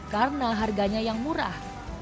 karena harganya yang murah